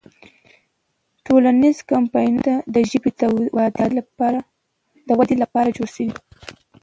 ټولنیز کمپاینونه دې د ژبې د ودې لپاره جوړ سي.